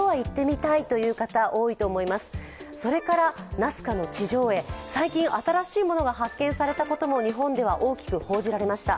ナスカの地上絵、最近、新しいものが発見されたことも日本では大きく報じられました。